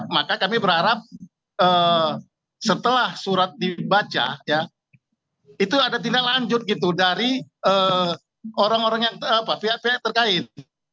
maka kami berharap setelah surat dibaca itu ada tindak lanjut dari orang orang yang terkait